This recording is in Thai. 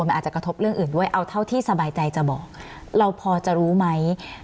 มันอาจจะกระทบเรื่องอื่นด้วยเอาเท่าที่สบายใจจะบอกเราพอจะรู้ไหม